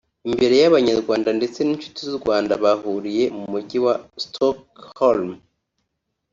Imbere y’abanyarwanda ndetse n’inshuti z’u Rwanda bahuriye mu mujyi wa Stockholm